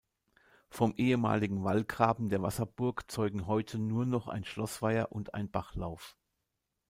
Vom ehemaligen Wallgraben der Wasserburg zeugen heute nur noch ein Schlossweiher und ein Bachlauf.